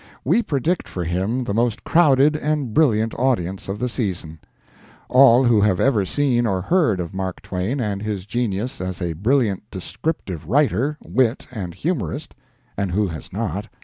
We predict for him the most crowded and brilliant audience of the season. All who have ever seen or heard of Mark Twain and his genius as a brilliant descriptive writer, wit, and humorist—and who has not?